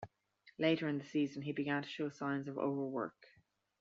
Later in the season, he began to show signs of overwork.